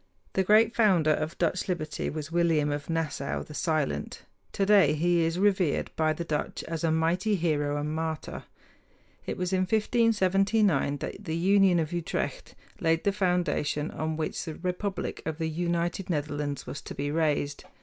The great founder of Dutch liberty was William of Nassau, the Silent. Today he is revered by the Dutch as a mighty hero and martyr. It was in 1579 that the Union of Utrecht laid the foundation on which the republic of the United Netherlands was to be raised.